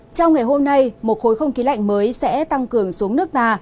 trong ngày hôm nay một khối không khí lạnh mới sẽ tăng cường xuống nước ta